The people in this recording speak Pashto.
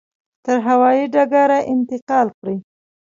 تر هوایي ډګره انتقال کړي.